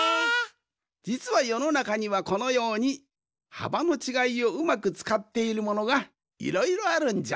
じつはよのなかにはこのようにはばのちがいをうまくつかっているものがいろいろあるんじゃ。